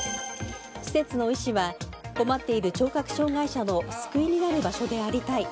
施設の医師は困っている聴覚障害者の救いになる場所でありたい。